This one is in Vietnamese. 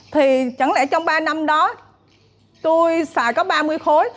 thì chẳng lẽ trong ba năm đó tôi xài có ba mươi khối